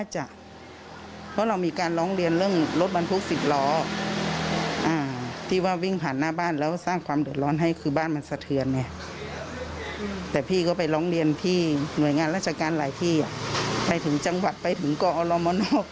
หน่วยงานราชการหลายที่ไปถึงจังหวัดไปถึงกอมน